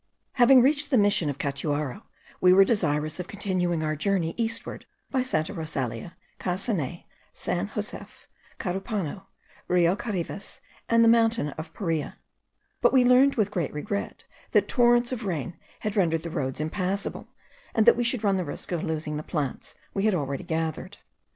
Having reached the mission of Catuaro, we were desirous of continuing our journey eastward by Santa Rosalia, Casanay, San Josef, Carupano, Rio Carives, and the Montana of Paria; but we learnt with great regret, that torrents of rain had rendered the roads impassable, and that we should run the risk of losing the plants we had already gathered.